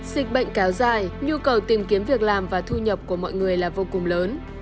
dịch bệnh kéo dài nhu cầu tìm kiếm việc làm và thu nhập của mọi người là vô cùng lớn